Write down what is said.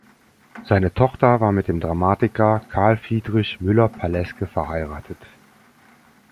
Seine Tochter war mit dem Dramatiker Carl Friedrich Müller-Palleske verheiratet.